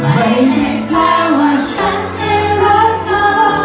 ไม่แกล้ว่าฉันไม่รักเธอ